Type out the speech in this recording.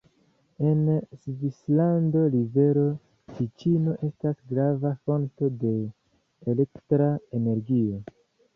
En Svislando rivero Tiĉino estas grava fonto de elektra energio.